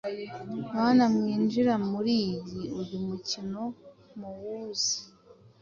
Bana mw’injira muriyi uyu mukino muwuzi